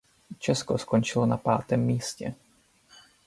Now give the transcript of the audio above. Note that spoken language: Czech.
Česko skončilo na pátém místě.